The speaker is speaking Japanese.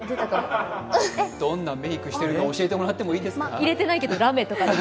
どんなメイクしてるか教えてもらってもいいですか？